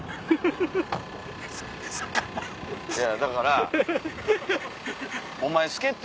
いやだから。